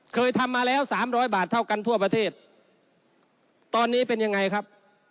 เคยทำมาแล้วสามร้อยบาทเท่ากันทั่วประเทศตอนนี้เป็นยังไงครับ